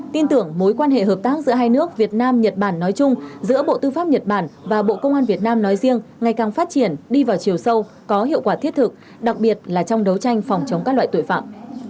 tin tưởng mối quan hệ hợp tác giữa hai nước việt nam nhật bản nói chung giữa bộ tư pháp nhật bản và bộ công an việt nam nói riêng ngày càng phát triển đi vào chiều sâu có hiệu quả thiết thực đặc biệt là trong đấu tranh phòng chống các loại tội phạm